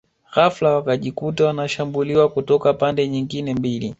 Ghafla wakajikuta wanashambuliwa kutoka pande nyingine mbili